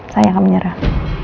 saya akan menyerah